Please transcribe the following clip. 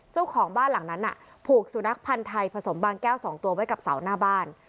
เจ้าของบ้านหลังนั้นน่ะผูกสุนัขพันธ์ไทยผสมบางแก้ว๒ตัวไว้กับเสาหน้าบ้าน